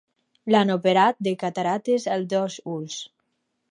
L'han operat de cataractes als dos ulls.